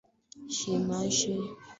Chemsha maji.